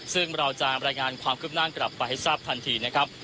ซึ่งเราจะรายงานความคืบหน้ากลับไปให้ทราบทันทีนะครับ